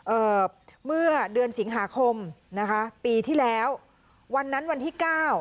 เอ่อเมื่อเดือนสิงหาคมนะคะปีที่แล้ววันนั้นวันที่เก้า